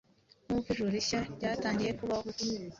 Nkuko ijuru rishya ryatangiye kubaho,